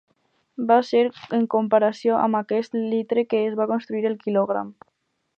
Va ser en comparació amb aquest litre que es va construir el quilogram.